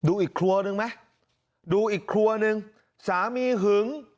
อีกครัวหนึ่งไหมดูอีกครัวหนึ่งสามีหึง